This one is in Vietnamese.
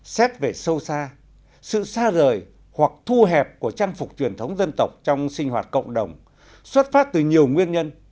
xét về sâu xa sự xa rời hoặc thu hẹp của trang phục truyền thống dân tộc trong sinh hoạt cộng đồng xuất phát từ nhiều nguyên nhân